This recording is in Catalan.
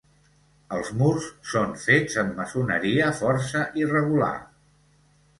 Els murs són fets amb maçoneria força irregular.